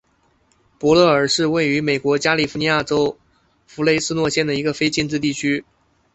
伯勒尔是位于美国加利福尼亚州弗雷斯诺县的一个非建制地区。